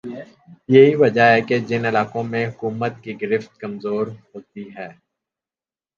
یہی وجہ ہے کہ جن علاقوں میں حکومت کی گرفت کمزور ہوتی ہے